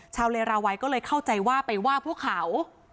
เลราวัยก็เลยเข้าใจว่าไปว่าพวกเขา